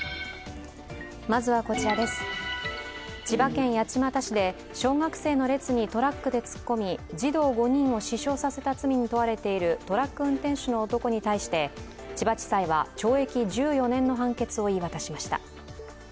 千葉県八街市で小学生の列にトラックで突っ込み、児童５人を死傷させた罪に問われているトラック運転手の男に対して、千葉地裁は懲役１４年の判決を言い渡しました。